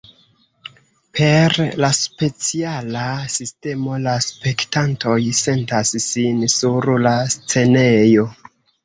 Per la speciala sistemo la spektantoj sentas sin sur la scenejo.